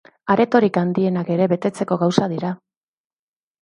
Aretorik handienak ere betetzeko gauza dira.